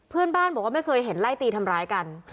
เพื่อนบ้านบอกว่าไม่เคยเห็นไล่ตีทำร้ายกัน